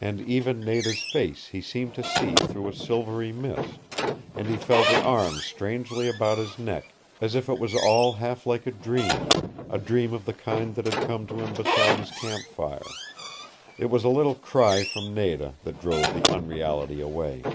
And even Nada's face he seemed to see through a silvery mist, and he felt her arms strangely about his neck, as if it was all half like a dream a dream of the kind that had come to him beside his campfire. It was a little cry from Nada that drove the unreality away.